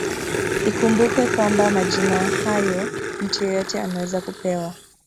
Ikumbukwe kwamba majina hayo mtu yeyote anaweza kupewa